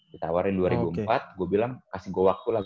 ditawarin dua ribu empat gue bilang kasih gue waktu lah